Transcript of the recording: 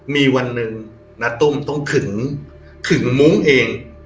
มีวันหนึ่งณตุ้มต้องขึงมุ้งเอง